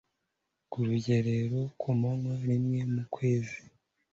ku rugerero ku manywa rimwe mu kwezi